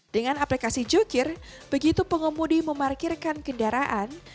dengan aplikasi jokir begitu pengemudi memarkirkan kendaraan